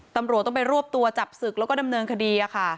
ตำรวจต้องไปรวบตัวจับศึกแล้วก็ดำเนินคดี